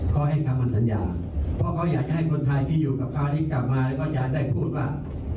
เขาให้คำมั่นสัญญาเพราะเขาอยากจะให้คนไทยที่อยู่กับเขานี้กลับมาแล้วก็จะได้พูดว่า